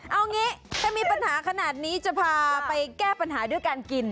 เอางี้ถ้ามีปัญหาขนาดนี้จะพาไปแก้ปัญหาด้วยการกิน